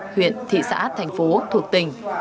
huyện thị xã thành phố thuộc tỉnh